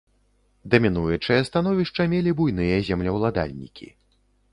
Дамінуючае становішча мелі буйныя землеўладальнікі.